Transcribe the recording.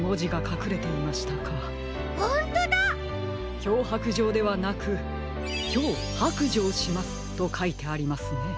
「きょうはくじょう」ではなく「きょうはくじょうします」とかいてありますね。